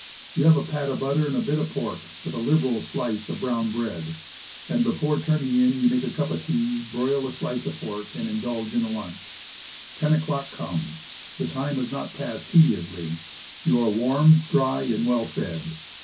You have a pat of butter and a bit of pork, with a liberal slice of brown bread; and before turning in you make a cup of tea, broil a slice of pork, and indulge in a lunch. Ten o'clock comes. The time has not passed tediously. You are warm, dry and well fed.